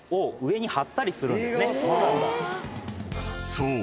［そう。